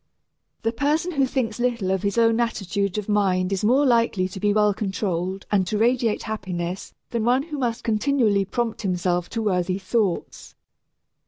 The person who thinks little of his own attitude of mind is more likely to be well controlled and to radiate happiness than one who must continually prompt himself to worthy thoughts.